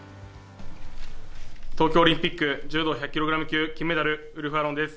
東京オリンピック柔道１００ｋｇ級金メダル、ウルフ・アロンです。